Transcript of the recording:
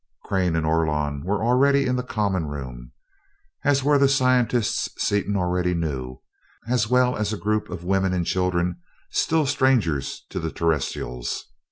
Crane and Orlon were already in the common room, as were the scientists Seaton already knew, as well as a group of women and children still strangers to the Terrestrials.